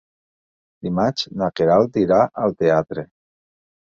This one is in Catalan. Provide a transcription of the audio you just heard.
Dimarts na Queralt irà al teatre.